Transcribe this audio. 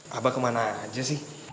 kamu mau kemana aja sih